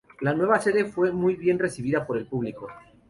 La nueva sede fue muy bien recibida por el público.